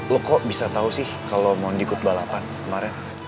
lo kok bisa tau sih kalau mondi ikut balapan kemaren